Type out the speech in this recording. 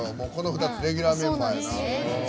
この２つレギュラーメンバーです。